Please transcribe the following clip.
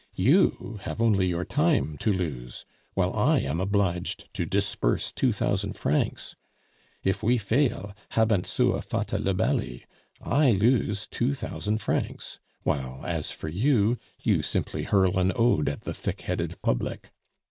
You have only your time to lose, while I am obliged to disburse two thousand francs. If we fail, habent sua fata libelli, I lose two thousand francs; while, as for you, you simply hurl an ode at the thick headed public.